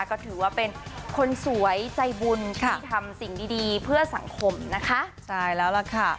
ก็ถือว่าเป็นคนสวยใจบุญที่ทำสิ่งดีดีเพื่อสังคมนะคะใช่แล้วล่ะค่ะ